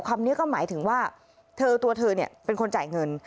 คำนี้ก็หมายถึงว่าตัวเธอเป็นคนจ่ายเงิน